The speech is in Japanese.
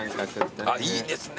あっいいですね。